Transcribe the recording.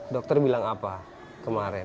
dokter bilang apa kemarin